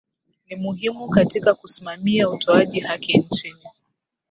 Ni muhimu katika kusimamia utoaji haki nchini